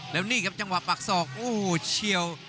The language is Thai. และนี้ครับจังหวะปลาก๒อู้หูวเร็ว